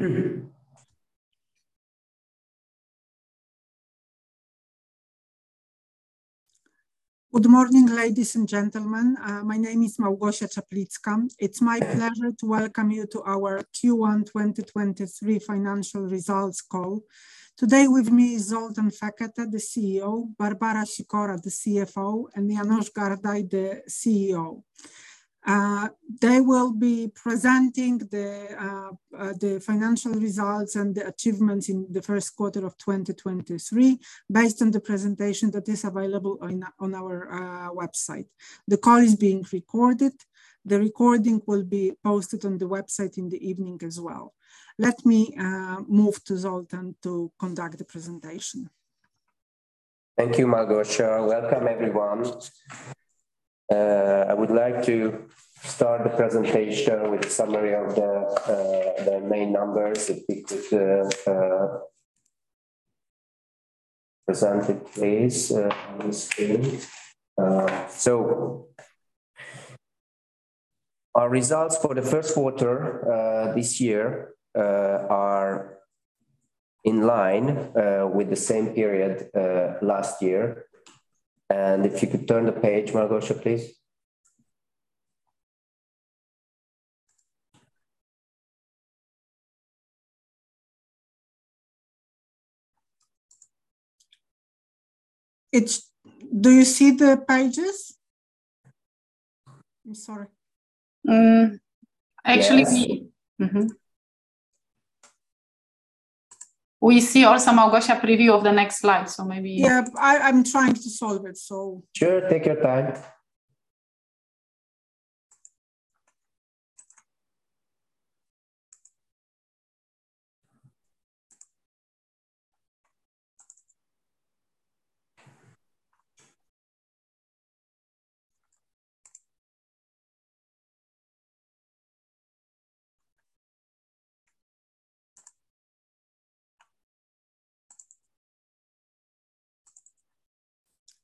Good morning, ladies and gentlemen. My name is Malgorzata Czaplicka. It's my pleasure to welcome you to our Q1 2023 financial results call. Today with me is Zoltán Fekete, the CEO; Barbara Sikora, the CFO; and János Gárdai, the COO. They will be presenting the financial results and the achievements in the first quarter of 2023, based on the presentation that is available on our website. The call is being recorded. The recording will be posted on the website in the evening as well. Let me move to Zoltán to conduct the presentation. Thank you, Malgorzata. Welcome, everyone. I would like to start the presentation with a summary of the main numbers, if we could present it, please, on the screen. So our results for the first quarter this year are in line with the same period last year. If you could turn the page, Malgorzata, please. It's, do you see the pages? I'm sorry. Actually. Yes. We see also, Malgorzata, a preview of the next slide, so maybe. Yeah, I'm trying to solve it, so. Sure. Take your time.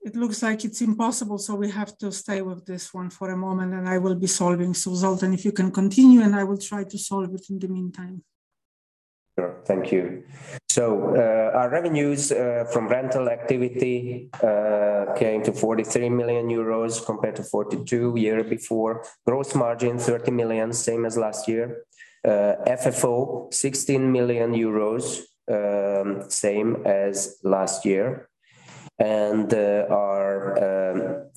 It looks like it's impossible, we have to stay with this one for a moment, and I will be solving. Zoltán, if you can continue, and I will try to solve it in the meantime. Sure. Thank you. Our revenues from rental activity came to 43 million euros compared to 42 million year before. Gross margin, 30 million, same as last year. FFO, 16 million euros, same as last year. Our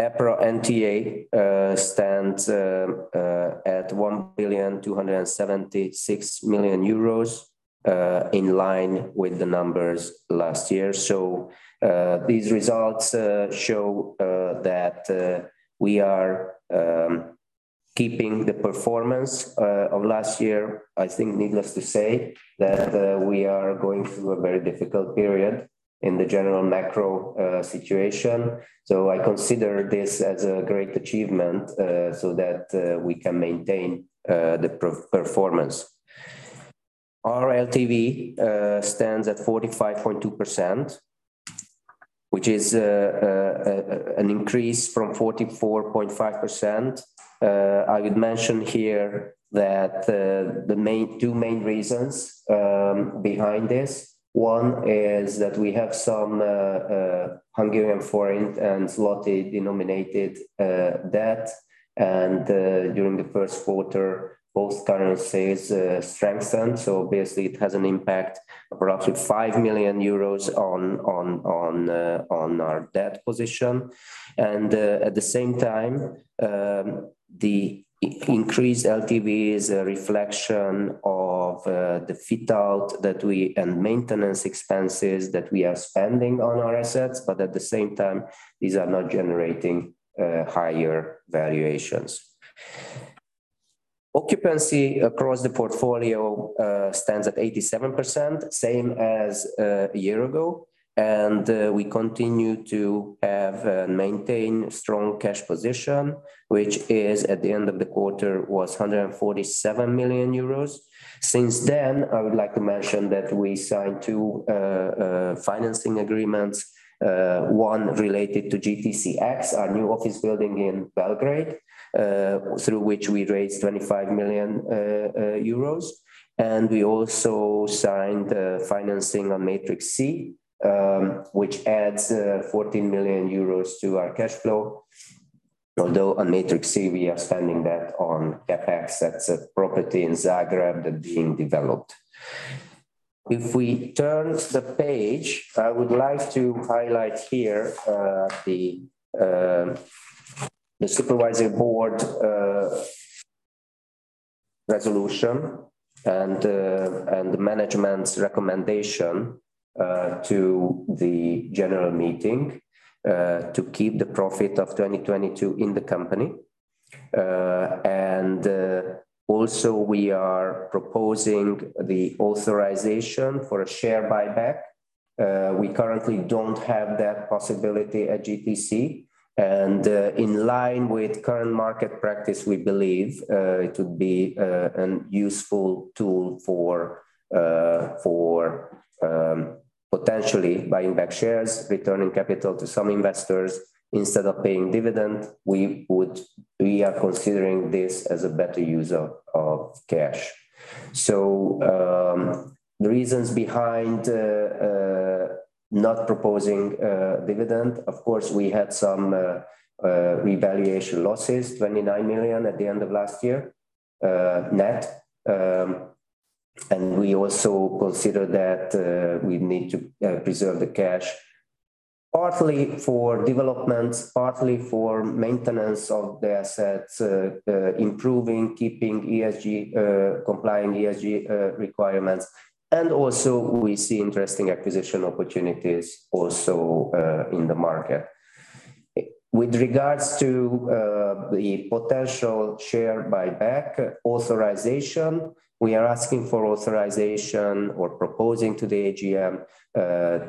EPRA NTA stands at 1,276 million euros in line with the numbers last year. These results show that we are keeping the performance of last year. I think needless to say, that we are going through a very difficult period in the general macro situation. I consider this as a great achievement so that we can maintain the performance. Our LTV stands at 45.2%, which is an increase from 44.5%. I would mention here that two main reasons behind this. One is that we have some Hungarian forint and zloty-denominated debt, during the first quarter, both currencies strengthened. Obviously, it has an impact, approximately 5 million euros on our debt position. At the same time, the increased LTV is a reflection of the fit-out and maintenance expenses that we are spending on our assets, but at the same time, these are not generating higher valuations. Occupancy across the portfolio stands at 87%, same as a year ago, we continue to have maintain strong cash position, which is, at the end of the quarter, was 147 million euros. Since then, I would like to mention that we signed two financing agreements, one related to GTC X, our new office building in Belgrade, through which we raised 25 million euros. We also signed financing on Matrix C, which adds 14 million euros to our cash flow. Although on Matrix C, we are spending that on CapEx, that's a property in Zagreb that are being developed. If we turn the page, I would like to highlight here the supervising board resolution and the management's recommendation to the general meeting to keep the profit of 2022 in the company. Also, we are proposing the authorization for a share buyback. we currently don't have that possibility at GTC, in line with current market practice, we believe it would be an useful tool for for potentially buying back shares, returning capital to some investors. Instead of paying dividend, we are considering this as a better use of cash. the reasons behind not proposing a dividend, of course, we had some revaluation losses, 29 million at the end of last year, net. we also consider that we need to preserve the cash, partly for developments, partly for maintenance of the assets, improving, keeping ESG, complying ESG requirements. we see interesting acquisition opportunities also in the market. With regards to the potential share buyback authorization, we are asking for authorization or proposing to the AGM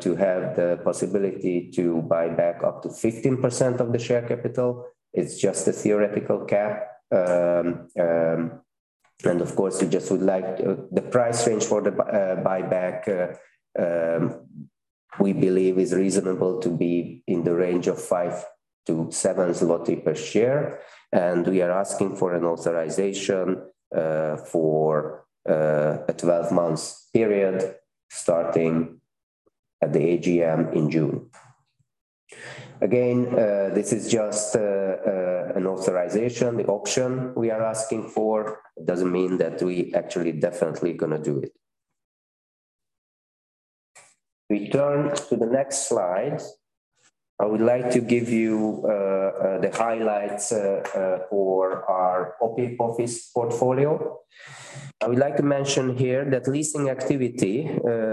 to have the possibility to buy back up to 15% of the share capital. It's just a theoretical cap. Of course, we just would like the price range for the buyback we believe is reasonable to be in the range of 5-7 per share, and we are asking for an authorization for a 12-months period, starting at the AGM in June. Again, this is just an authorization. The option we are asking for doesn't mean that we actually definitely gonna do it. We turn to the next slide. I would like to give you the highlights for our OPI office portfolio. I would like to mention here that leasing activity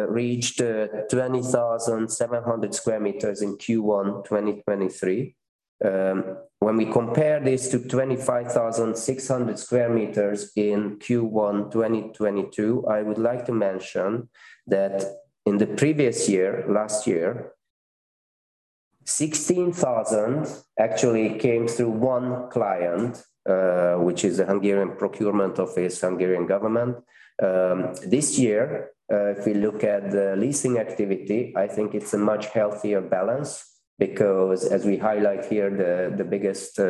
reached 20,700 square meters in Q1 2023. When we compare this to 25,600 square meters in Q1 2022, I would like to mention that in the previous year, last year, 16,000 actually came through one client, which is a Hungarian procurement office, Hungarian government. This year, if we look at the leasing activity, I think it's a much healthier balance because as we highlight here, the biggest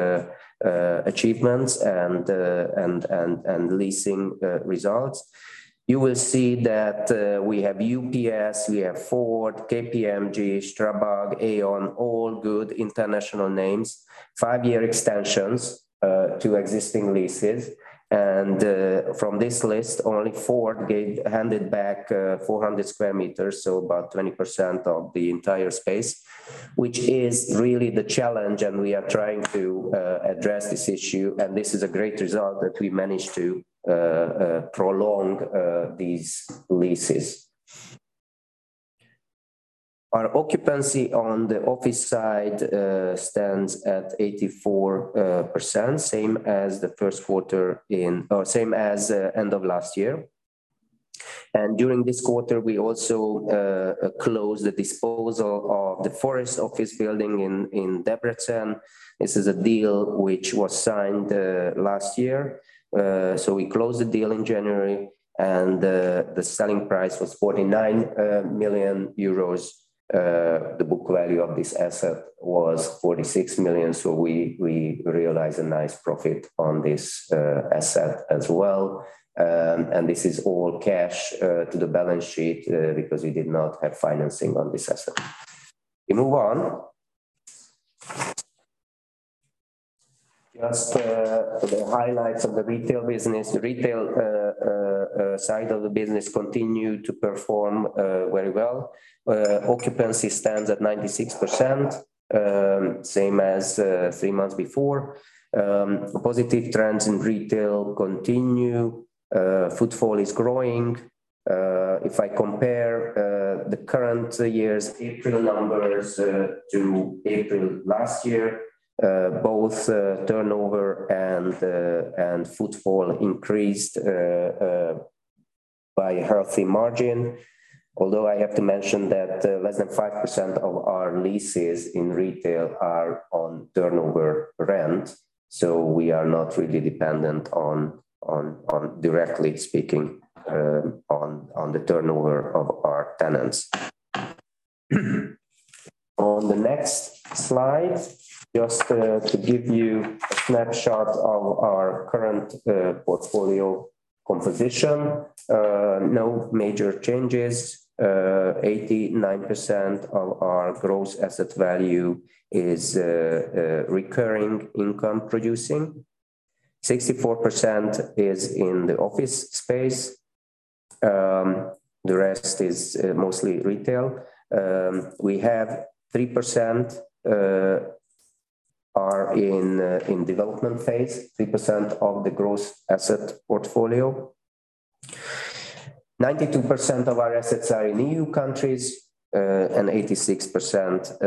achievements and leasing results, you will see that we have UPS, we have Ford, KPMG, STRABAG, Aon, all good international names. 5-year extensions to existing leases, and from this list, only Ford gave, handed back 400 square meters, so about 20% of the entire space, which is really the challenge, and we are trying to address this issue, and this is a great result that we managed to prolong these leases. Our occupancy on the office side stands at 84%, same as the first quarter same as end of last year. During this quarter, we also closed the disposal of the Forest Office building in Debrecen. This is a deal which was signed last year. We closed the deal in January, and the selling price was 49 million euros. The book value of this asset was 46 million, so we realized a nice profit on this asset as well. And this is all cash to the balance sheet because we did not have financing on this asset. We move on. Just the highlights of the retail business. The retail side of the business continued to perform very well. Occupancy stands at 96%, same as three months before. Positive trends in retail continue. Footfall is growing. If I compare the current year's April numbers to April last year, both turnover and footfall increased by a healthy margin. Although I have to mention that less than 5% of our leases in retail are on turnover rent, so we are not really dependent on, directly speaking, on the turnover of our tenants. On the next slide, just to give you a snapshot of our current portfolio composition, no major changes. 89% of our gross asset value is recurring income producing. 64% is in the office space. The rest is mostly retail. We have 3% are in development phase, 3% of the gross asset portfolio. 92% of our assets are in EU countries, and 86%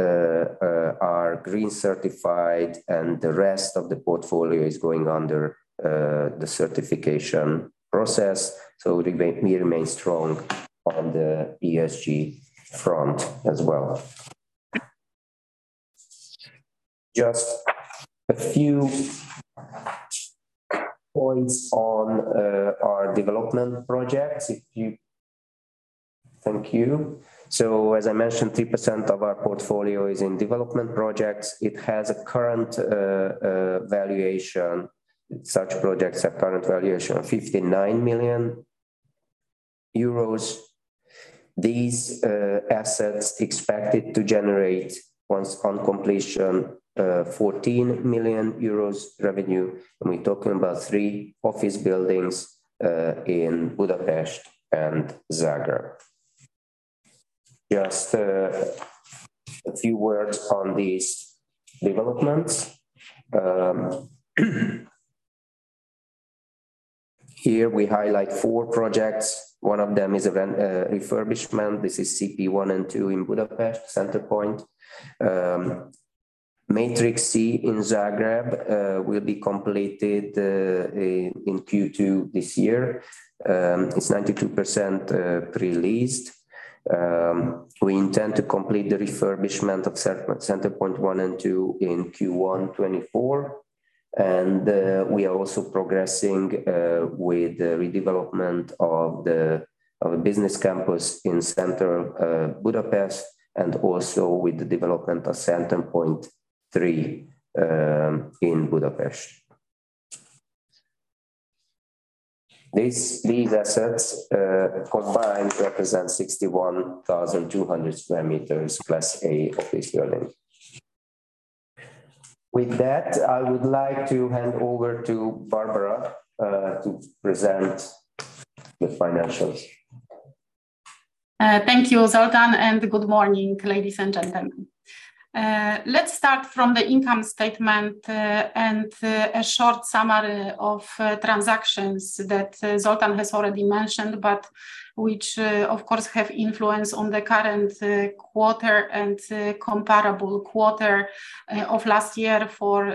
are green certified, and the rest of the portfolio is going under the certification process. We remain strong on the ESG front as well. Just a few points on our development projects. Thank you. As I mentioned, 3% of our portfolio is in development projects. It has a current valuation. Such projects have current valuation of 59 million euros. These assets expected to generate, once on completion, 14 million euros revenue, and we're talking about three office buildings in Budapest and Zagreb. Just a few words on these developments. Here we highlight four projects. One of them is a refurbishment. This is Center Point I and II in Budapest, Center Point. Matrix C in Zagreb will be completed in Q2 this year. It's 92% pre-leased. We intend to complete the refurbishment of Center Point I and II in Q1 2024, and we are also progressing with the redevelopment of a business campus in center Budapest, and also with the development of Centre Point III in Budapest. These, these assets combined represent 61,200 square meters, plus eight office buildings. With that, I would like to hand over to Barbara to present the financials. Thank you, Zoltan, and good morning, ladies and gentlemen. Let's start from the income statement, and a short summary of transactions that Zoltan has already mentioned, but which, of course, have influence on the current quarter and the comparable quarter of last year for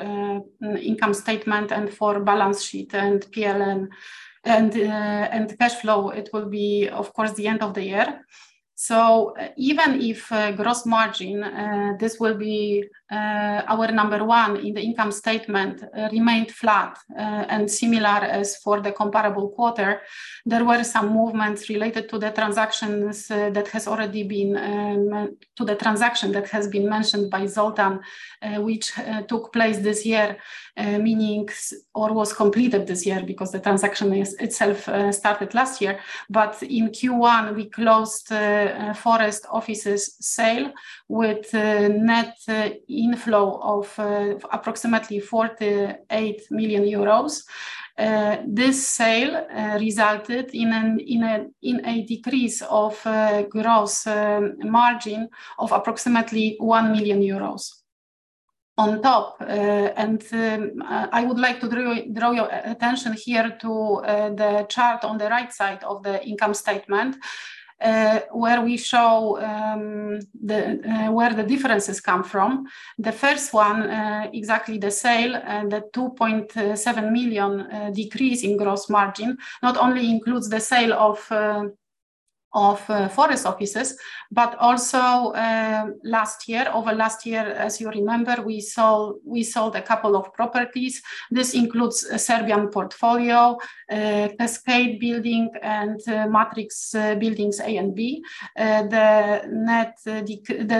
income statement and for balance sheet and P&L, and cash flow, it will be, of course, the end of the year. Even if gross margin, this will be our number one in the income statement, remained flat, and similar as for the comparable quarter, there were some movements related to the transactions that has already been, to the transaction that has been mentioned by Zoltan, which took place this year, meanings or was completed this year because the transaction is itself, started last year. In Q1, we closed Forest Offices sale with a net inflow of approximately 48 million euros. This sale resulted in a decrease of gross margin of approximately 1 million euros. On top, and I would like to draw your attention here to the chart on the right side of the income statement, where we show the where the differences come from. The first one, exactly the sale and the 2.7 million decrease in gross margin, not only includes the sale of Forest Offices, but also last year, over last year, as you remember, we sold a couple of properties. This includes a Serbian portfolio, Cascade Building and Matrix Buildings A and B. The net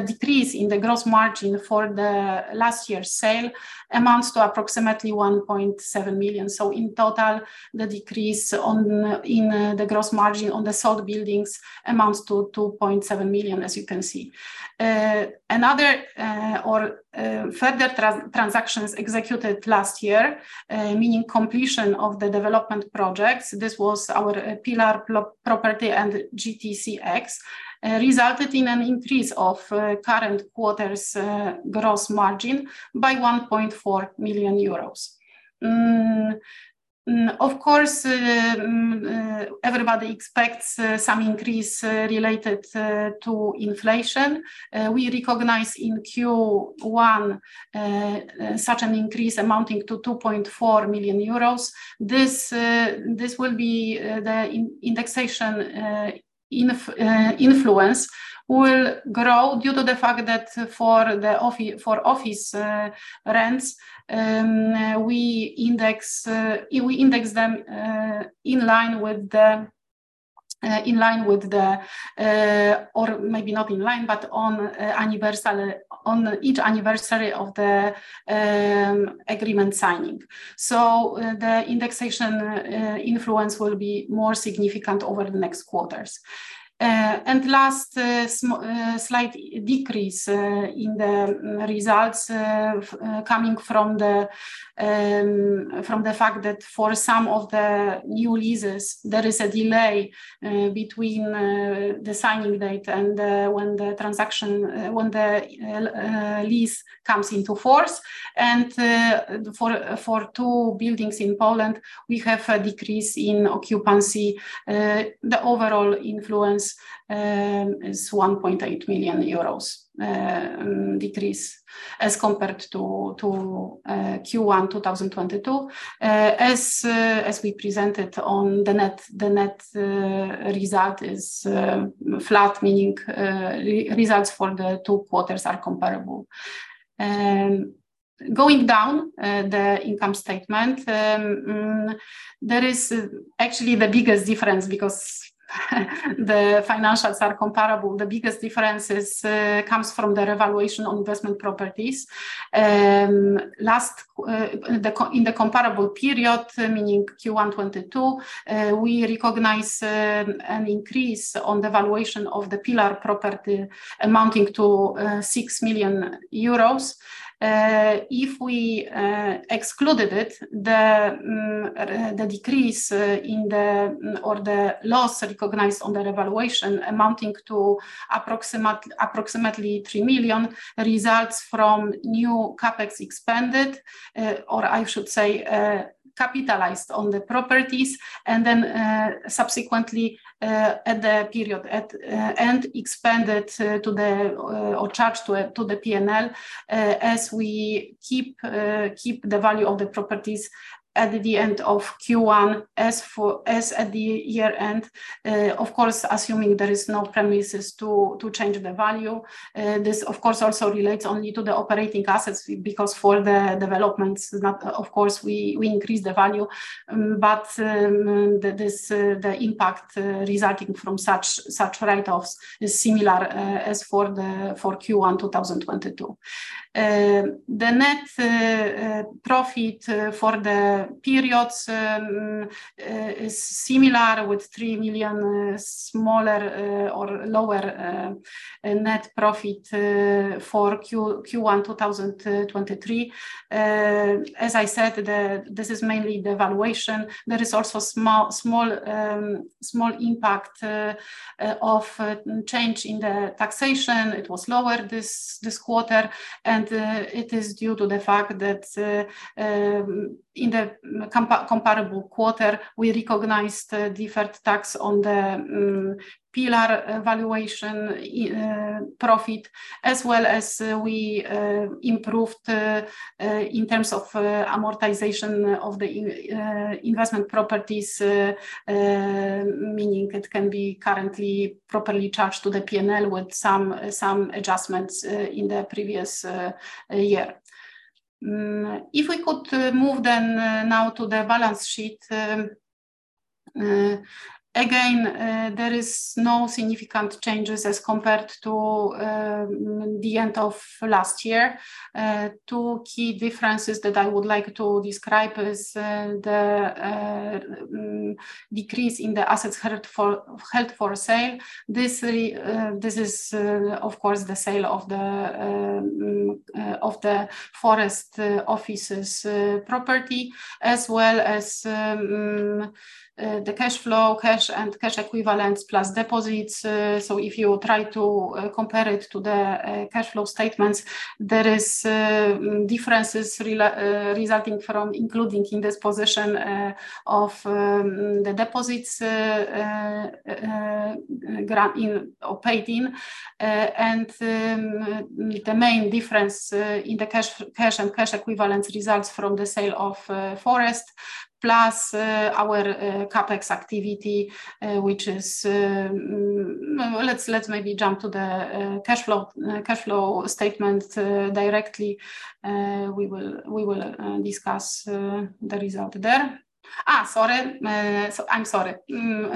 decrease in the gross margin for the last year's sale amounts to approximately 1.7 million. In total, the decrease on, in, the gross margin on the sold buildings amounts to 2.7 million, as you can see. Another or further transactions executed last year, meaning completion of the development projects, this was our Pillar Property and GTC X, resulted in an increase of current quarter's gross margin by 1.4 million euros. Of course, everybody expects some increase related to inflation. We recognize in Q1 such an increase amounting to 2.4 million euros. This will be the indexation influence will grow due to the fact that for office rents, we index them in line with the or maybe not in line, but on each anniversary of the agreement signing. The indexation influence will be more significant over the next quarters. Last, slight decrease in the results, coming from the fact that for some of the new leases, there is a delay between the signing date and when the transaction, when the lease comes into force. For two buildings in Poland, we have a decrease in occupancy. The overall influence is 1.8 million euros decrease as compared to Q1 2022. As we presented on the net, the net result is flat, meaning results for the two quarters are comparable. Going down the income statement, there is actually the biggest difference because the financials are comparable. The biggest difference is comes from the revaluation on investment properties. Last in the comparable period, meaning Q1 2022, we recognize an increase on the valuation of the Pillar property amounting to 6 million euros. If we excluded it, the decrease in the or the loss recognized on the revaluation amounting to approximately 3 million results from new CapEx expanded, or I should say, capitalized on the properties, and then subsequently at the period end, expanded to the or charged to the P&L. As we keep the value of the properties at the end of Q1, as at the year-end, of course, assuming there is no premises to change the value. This of course, also relates only to the operating assets, because for the developments, not of course, we increase the value. The impact resulting from such write-offs is similar as for Q1 2022. The net profit for the periods is similar, with 3 million smaller or lower net profit for Q1 2023. As I said, this is mainly the valuation. There is also small impact of change in the taxation. It was lower this quarter, and it is due to the fact that in the comparable quarter, we recognized deferred tax on the Pillar valuation, profit, as well as we improved in terms of amortization of the investment properties. Meaning it can be currently properly charged to the P&L with some adjustments in the previous year. If we could move then now to the balance sheet, again, there is no significant changes as compared to the end of last year. Two key differences that I would like to describe is the decrease in the assets held for sale. This is, of course, the sale of the Forest Offices property, as well as the cash flow, cash and cash equivalents, plus deposits. If you try to compare it to the cash flow statements, there is differences resulting from including in this position of the deposits ground in or paid in. The main difference in the cash and cash equivalent results from the sale of forest, plus our CapEx activity, which is. Well, let's maybe jump to the cash flow statement directly. We will discuss the result there. Sorry, so I'm sorry.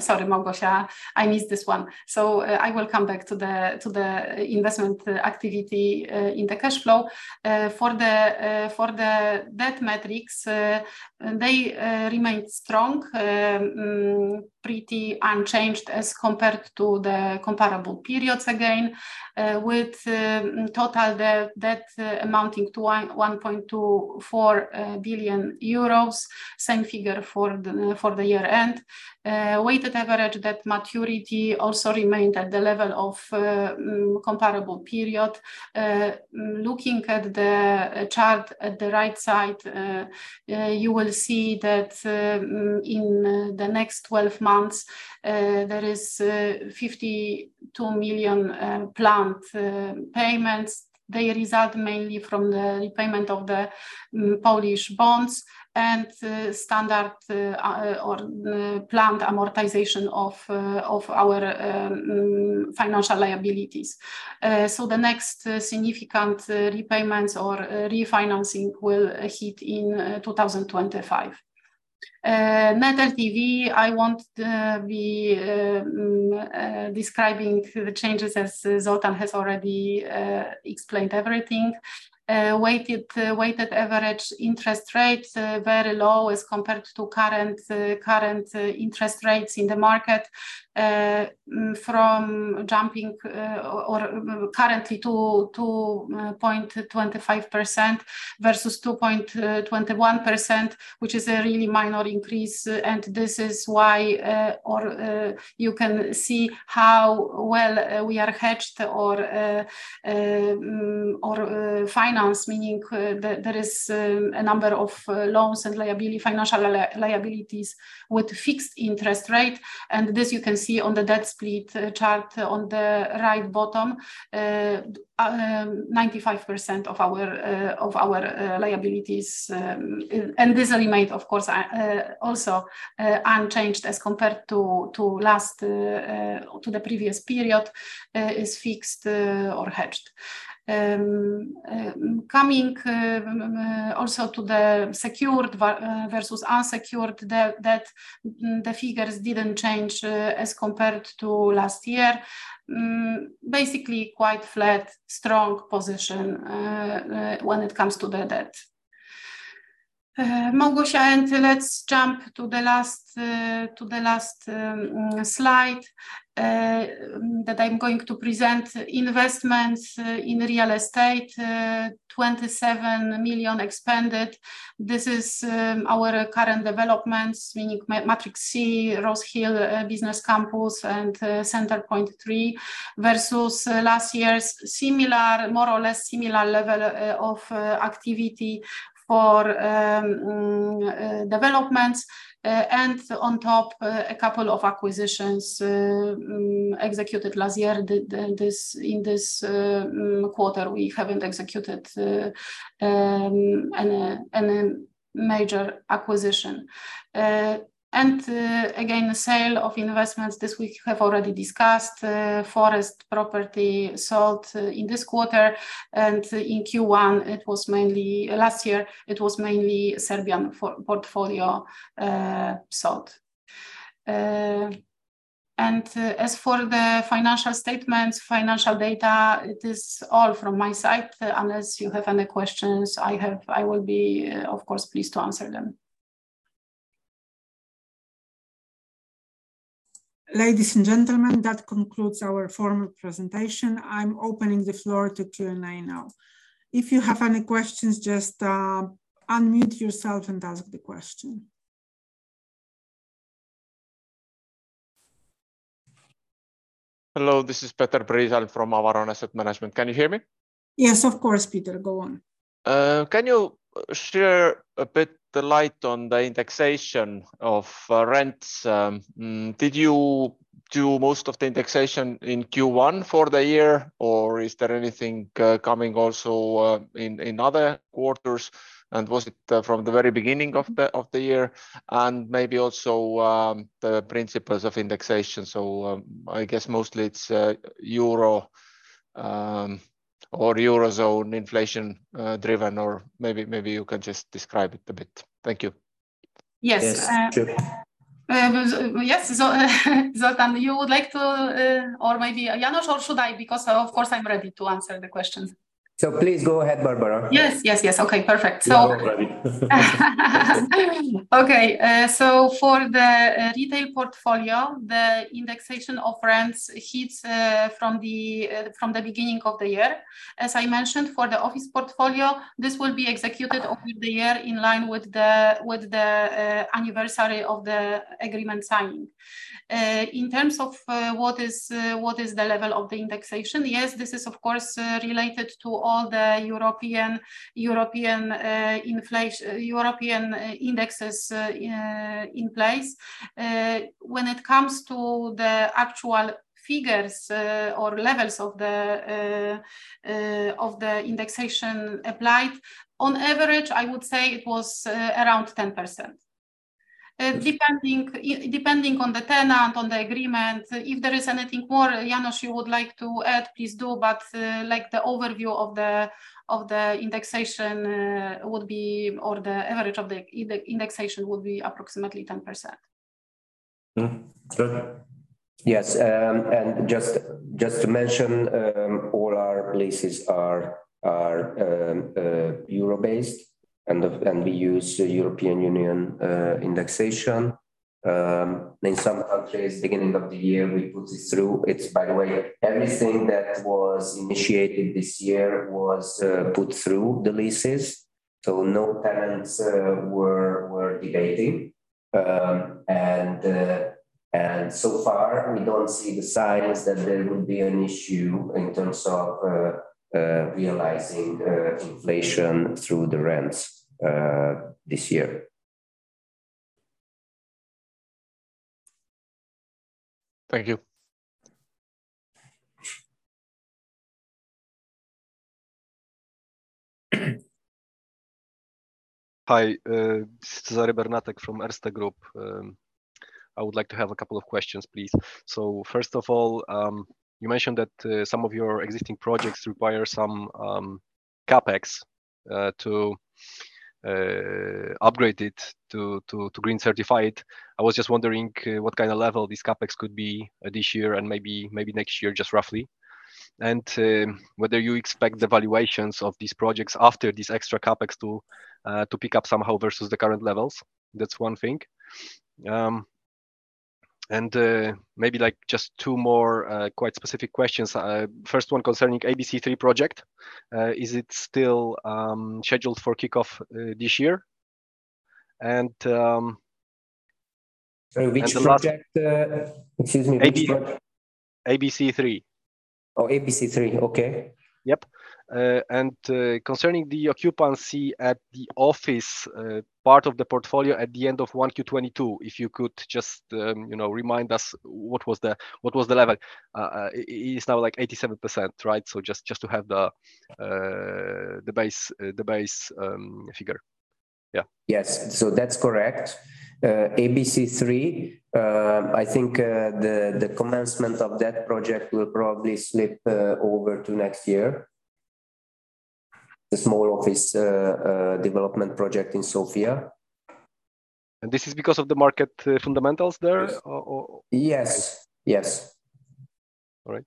Sorry, Malgorzata, I missed this one. I will come back to the investment activity in the cash flow. For the debt metrics, they remain strong, pretty unchanged as compared to the comparable periods again, with total debt amounting to 1.24 billion euros. Same figure for the year-end. Weighted average debt maturity also remained at the level of comparable period. Looking at the chart at the right side, you will see that in the next 12 months, there is 52 million planned payments. They result mainly from the repayment of the Polish bonds and standard or planned amortization of our financial liabilities. The next significant repayments or refinancing will hit in 2025. Net LTV, I won't be describing the changes as Zoltan has already explained everything. Weighted average interest rates, very low as compared to current current interest rates in the market, from jumping or currently to 0.25% versus 2.21%, which is a really minor increase. This is why, or, you can see how well we are hedged or or financed, meaning, there is a number of loans and financial liabilities with fixed interest rate. This you can see on the debt split chart on the right bottom. 95% of our liabilities, and this remained, of course, also unchanged as compared to last, to the previous period, is fixed or hedged. Coming also to the secured versus unsecured, the figures didn't change as compared to last year. Basically, quite flat, strong position when it comes to the debt. Malgorzata, let's jump to the last, to the last slide that I'm going to present. Investments in real estate, 27 million expanded. This is our current developments, meaning Matrix C, Rose Hill Business Campus, and Center Point III, versus last year's similar, more or less similar level of activity for developments. On top, a couple of acquisitions, executed last year. In this quarter, we haven't executed any major acquisition. Again, the sale of investments this week, we have already discussed, forest property sold in this quarter, and in Q1, it was mainly. Last year, it was mainly Serbian portfolio, sold. As for the financial statements, financial data, it is all from my side. Unless you have any questions, I will be, of course, pleased to answer them. Ladies and gentlemen, that concludes our formal presentation. I'm opening the floor to Q&A now. If you have any questions, just unmute yourself and ask the question. Hello, this is Peter Priisalm from Avaron Asset Management. Can you hear me? Yes, of course, Peter. Go on. Can you share a bit the light on the indexation of rents? Did you do most of the indexation in Q1 for the year, or is there anything coming also in other quarters? Was it from the very beginning of the year? Maybe also the principles of indexation. I guess mostly it's euro or Eurozone inflation driven, or maybe you can just describe it a bit. Thank you. Yes. Yes, sure. Yes, Zoltán, you would like to, or maybe János, or should I? Because of course, I'm ready to answer the questions. Please go ahead, Barbara. Yes, yes. Okay, perfect. We're all ready. For the retail portfolio, the indexation of rents hits from the beginning of the year. As I mentioned, for the office portfolio, this will be executed over the year in line with the anniversary of the agreement signing. In terms of what is the level of the indexation, yes, this is of course, related to all the European inflation, European indexes in place. When it comes to the actual figures, or levels of the indexation applied, on average, I would say it was around 10%. Depending on the tenant, on the agreement, if there is anything more, János, you would like to add, please do, but, like the overview of the indexation, would be, or the average of the indexation would be approximately 10%. Good. Yes, just to mention, all our leases are euro-based, and we use the European Union indexation. In some countries, beginning of the year, we put it through. It's, by the way, everything that was initiated this year was put through the leases, so no tenants were debating. So far, we don't see the signs that there would be an issue in terms of realizing inflation through the rents this year. Thank you. Hi, Cezary Bernatek from Erste Group. I would like to have a couple of questions, please. First of all, you mentioned that some of your existing projects require some CapEx to upgrade it to green certify it. I was just wondering what kind of level this CapEx could be this year and maybe next year, just roughly. Whether you expect the valuations of these projects after this extra CapEx to pick up somehow versus the current levels. That's one thing. Maybe, like, just two more quite specific questions. First one concerning ABC 3 project, is it still scheduled for kickoff this year? The last. Sorry, which project? Excuse me, which project? ABC 3. Oh, ABC 3. Okay. Yep. Concerning the occupancy at the office part of the portfolio at the end of Q1 2022, if you could just, you know, remind us what was the level? It's now, like, 87%, right? Just to have the base figure. Yeah. Yes. That's correct. ABC 3, I think, the commencement of that project will probably slip over to next year. The small office development project in Sofia. This is because of the market fundamentals there, or. Yes. Yes. All right.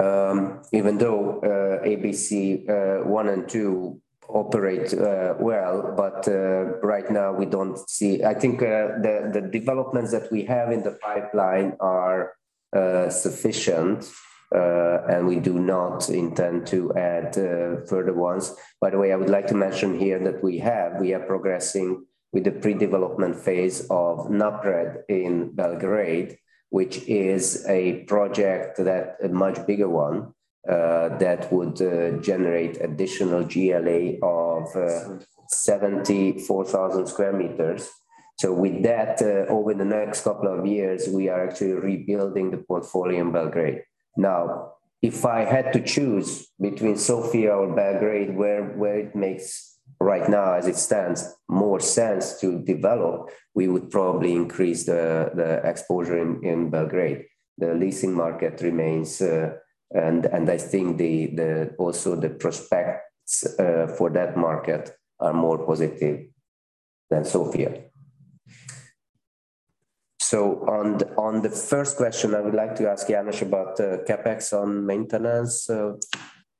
ABC 1 and 2 operate, uh, well, but, uh, right now we don't see. I think, uh, the developments that we have in the pipeline are, uh, sufficient, uh, and we do not intend to add, uh, further ones. By the way, I would like to mention here that we have, we are progressing with the pre-development phase of NAPRED in Belgrade, which is a project that, a much bigger one, uh, that would, uh, generate additional GLA of 74,000 square meters. With that, over the next couple of years, we are actually rebuilding the portfolio in Belgrade. If I had to choose between Sofia or Belgrade, where it makes, right now as it stands, more sense to develop, we would probably increase the exposure in Belgrade. The leasing market remains, and I think the also the prospects for that market are more positive than Sofia. On the first question, I would like to ask János about the CapEx on maintenance.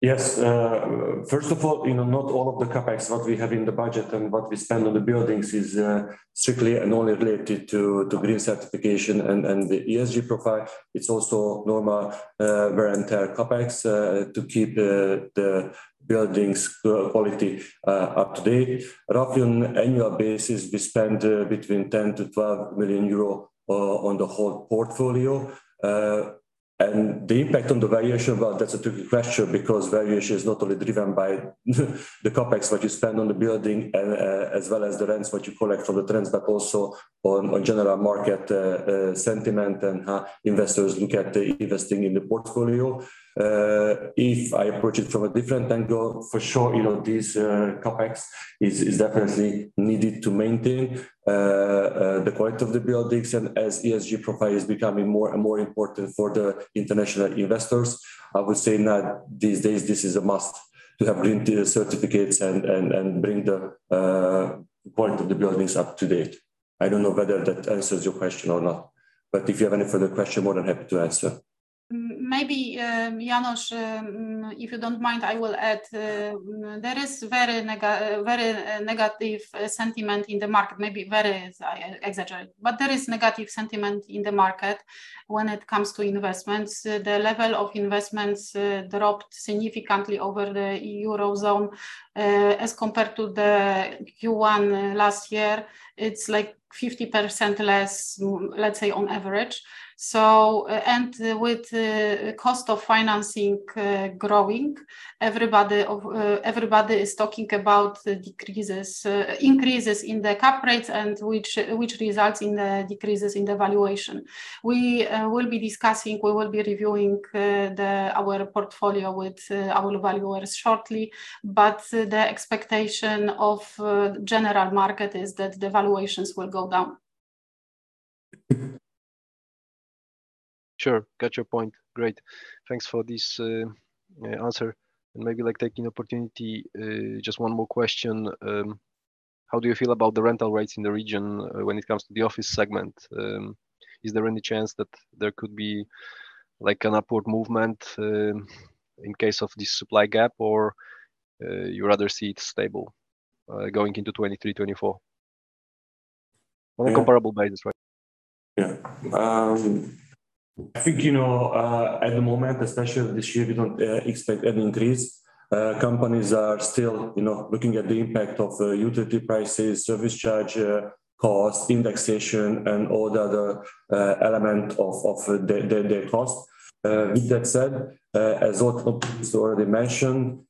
Yes. First of all, you know, not all of the CapEx, what we have in the budget and what we spend on the buildings is strictly and only related to green certification and the ESG profile. It's also normal parental CapEx to keep the buildings quality up to date. Roughly on annual basis, we spend between 10-12 million euro on the whole portfolio. The impact on the valuation, well, that's a tricky question because valuation is not only driven by the CapEx, what you spend on the building, as well as the rents, what you collect from the tenants, but also on general market sentiment and how investors look at investing in the portfolio. If I approach it from a different angle, for sure, you know, this CapEx is definitely needed to maintain the quality of the buildings. As ESG profile is becoming more and more important for the international investors, I would say that these days this is a must to have green certificates and bring the quality of the buildings up to date. I don't know whether that answers your question or not, but if you have any further question, more than happy to answer. János, if you don't mind, I will add, there is very negative sentiment in the market. Very is, I exaggerate, but there is negative sentiment in the market when it comes to investments. The level of investments dropped significantly over the Eurozone as compared to the Q1 last year. It's, like, 50% less, let's say, on average. And with the cost of financing growing, everybody of everybody is talking about the decreases, increases in the cap rates and which results in the decreases in the valuation. We will be discussing, we will be reviewing, the, our portfolio with our valuers shortly, but the expectation of general market is that the valuations will go down. Sure. Got your point. Great. Thanks for this answer, and maybe, like, taking opportunity, just one more question. How do you feel about the rental rates in the region, when it comes to the office segment? Is there any chance that there could be, like, an upward movement, in case of this supply gap, or, you rather see it stable, going into 2023, 2024? Yeah. On a comparable basis, right? Yeah. I think, you know, at the moment, especially this year, we don't expect any increase. Companies are still, you know, looking at the impact of utility prices, service charge, costs, indexation, and all the other element of the cost. With that said, as also already mentioned,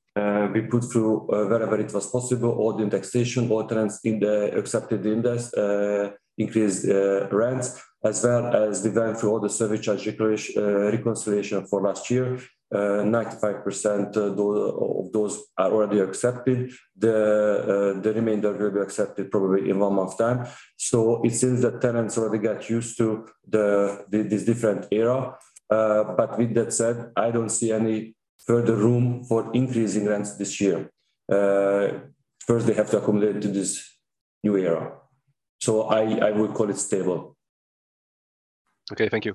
we put through wherever it was possible, all the indexation, all tenants accepted the index increased rents, as well as we went through all the service charge reconciliation for last year. 95% of those are already accepted. The remainder will be accepted probably in one month's time. It seems that tenants already got used to this different era. But with that said, I don't see any further room for increasing rents this year. First they have to accommodate to this new era. I would call it stable. Okay, thank you.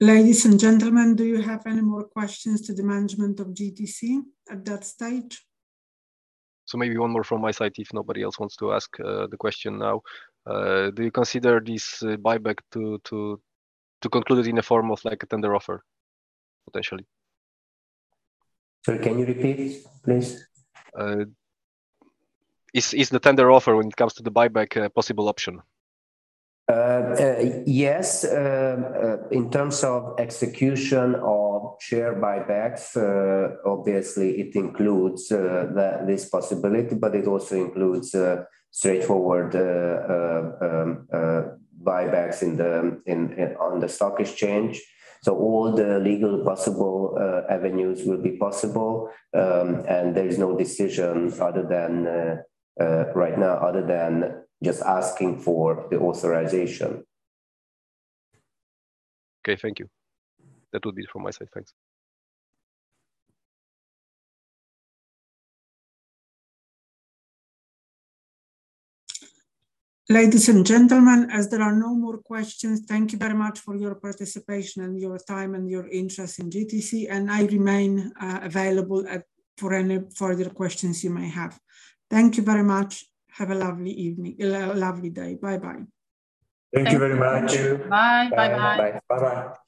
Ladies and gentlemen, do you have any more questions to the management of GTC at that stage? Maybe one more from my side, if nobody else wants to ask the question now. Do you consider this buyback to conclude in the form of, like, a tender offer, potentially? Sorry, can you repeat, please? Is the tender offer when it comes to the buyback a possible option? Yes. In terms of execution of share buybacks, obviously it includes this possibility, but it also includes straightforward buybacks on the stock exchange. All the legal possible avenues will be possible. There is no decision further than right now, other than just asking for the authorization. Okay, thank you. That will be it from my side. Thanks. Ladies and gentlemen, as there are no more questions, thank you very much for your participation and your time and your interest in GTC, and I remain available for any further questions you may have. Thank you very much. Have a lovely evening, a lovely day. Bye-bye. Thank you very much. Thank you. Bye. Bye-bye. Bye-bye.